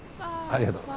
ありがとう。